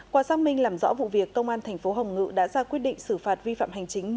qua xác minh làm rõ vụ việc công an thành phố hồng ngự đã ra quyết định xử phạt vi phạm hành chính